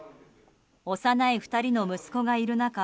幼い２人の息子がいる中